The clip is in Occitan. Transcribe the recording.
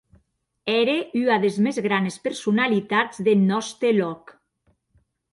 Ère ua des mès granes personalitats deth nòste lòc.